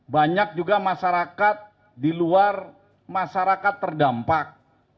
banyak juga masyarakat di luar masyarakat terdampak